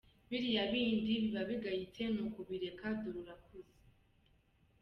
Biriya bindi biba bigayitse ni ukubireka dore urakuze.